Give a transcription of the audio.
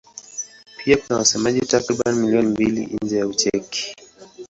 Pia kuna wasemaji takriban milioni mbili nje ya Ucheki.